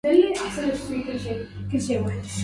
كل شيء منكم عليكم دليل